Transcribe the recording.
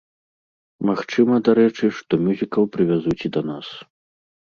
Магчыма, дарэчы, што мюзікл прывязуць і да нас.